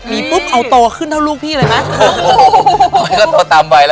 มีปุ๊บเอาโตขึ้นเท่าลูกพี่เลยไหม